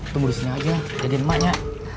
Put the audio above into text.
tunggu disini aja ada yang emasnya